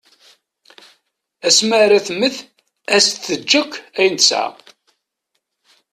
Asma ara temmet as-d-teǧǧ akk ayen tesɛa.